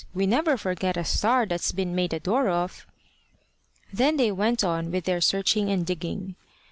We never forget a star that's been made a door of." Then they went on with their searching and digging.